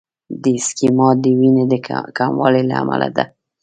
د ایسکیمیا د وینې کموالي له امله ده.